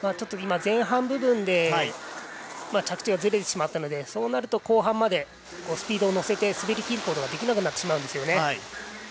前半部分で着地がずれてしまったのでそうなると後半までスピードに乗せて滑りきることができなくなってしまうんですよね。